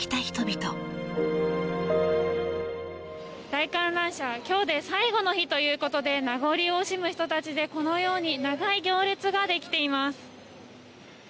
大観覧車、今日で最後の日ということもあって名残を惜しむ人たちでこのように長い行列ができています。